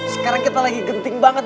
sekarang kita lagi genting banget